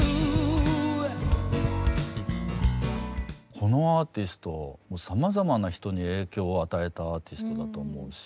このアーティストさまざまな人に影響を与えたアーティストだと思うし。